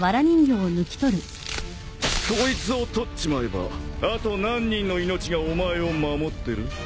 こいつを取っちまえばあと何人の命がお前を守ってる？